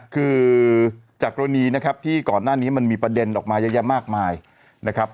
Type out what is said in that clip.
คือจากกรณีนะครับที่ก่อนหน้านี้มันมีประเด็นออกมาเยอะแยะมากมายนะครับ